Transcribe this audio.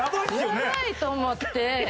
やばいと思って。